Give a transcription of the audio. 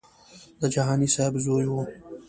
د جهاني صاحب زوی و.